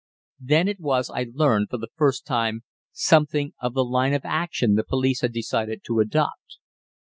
Then it was I learned, for the first time, something of the line of action the police had decided to adopt.